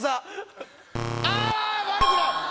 あぁ悪くない！